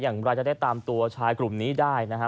อย่างไรจะได้ตามตัวชายกลุ่มนี้ได้นะฮะ